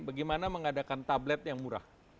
bagaimana mengadakan tablet yang murah